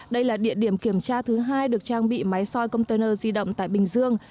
đây là địa điểm kiểm tra thứ hai được trang bị máy soi container di động tại bình dương